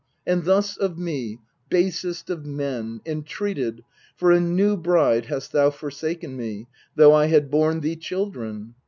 And thus of me, basest of men, entreated, For a new bride hast thou forsaken me, Though I had borne thee children.